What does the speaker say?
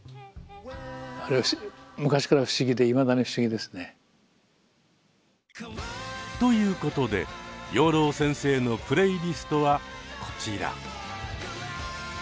あれ昔から不思議でいまだに不思議ですね。ということで養老先生のプレイリストはこちら。